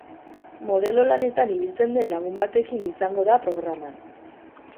Modelo lanetan ibiltzen den lagun batekin izango da programan.